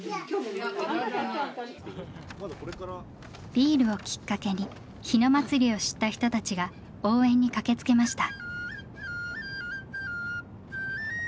ビールをきっかけに日野祭を知った人たちが応援に駆けつけました。